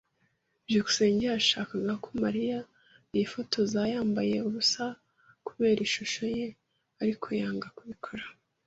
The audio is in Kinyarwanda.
[S] byukusenge yashakaga ko Mariya yifotoza yambaye ubusa kubera ishusho ye, ariko yanga kubikora.